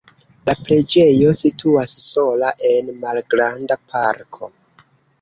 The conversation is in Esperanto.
La preĝejo situas sola en malgranda parko.